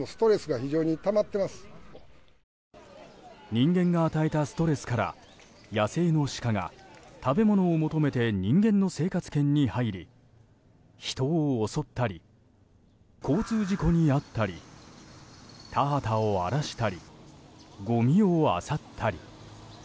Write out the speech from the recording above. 人間が与えたストレスから野生のシカが食べ物を求めて人間の生活圏に入り人を襲ったり交通事故に遭ったり田畑を荒らしたりごみをあさったり。